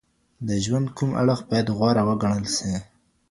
د ژوند کوم اړخ باید غوره وګڼل سي؟